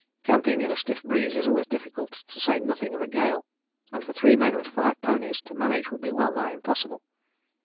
Camping in a stiff breeze is always difficult, to say nothing of a gale; and for three men with five ponies to manage would be wellnigh impossible.